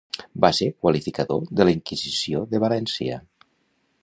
Va ser qualificador de la Inquisició de València.